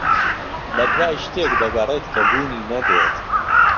بەدوای شتێک دەگەڕێت کە بوونی نەبێت.